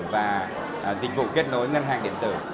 và dịch vụ kết nối ngân hàng điện tử